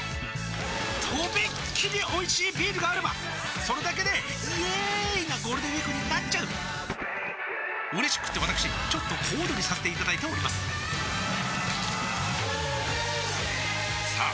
とびっきりおいしいビールがあればそれだけでイエーーーーーイなゴールデンウィークになっちゃううれしくってわたくしちょっと小躍りさせていただいておりますさあ